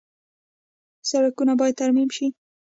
سړکونه باید ترمیم شي